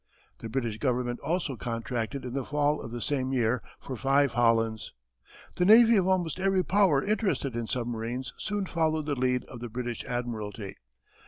The British Government also contracted in the fall of the same year for five Hollands. The navy of almost every power interested in submarines soon followed the lead of the British Admiralty.